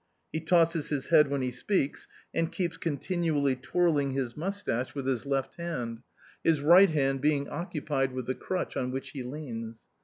He tosses his head when he speaks, and keeps continually twirling his moustache with his left hand, his right hand being occupied with the crutch on which he leans.